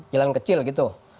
jalanan kecil gitu